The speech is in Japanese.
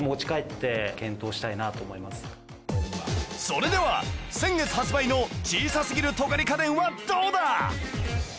それでは先月発売の小さすぎる尖り家電はどうだ？